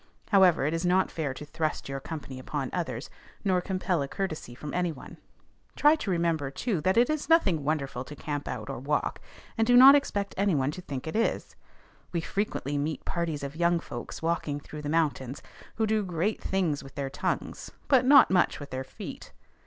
However, it is not fair to thrust your company upon others, nor compel a courtesy from any one. Try to remember too, that it is nothing wonderful to camp out or walk; and do not expect any one to think it is. We frequently meet parties of young folks walking through the mountains, who do great things with their tongues, but not much with their feet.